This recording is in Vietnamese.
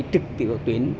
trực tiểu tuyến